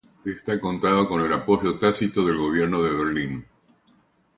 Esta contaba con el apoyo tácito del Gobierno de Berlín.